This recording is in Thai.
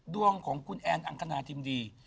ดวงของคุณแอนอังคณาทิมดี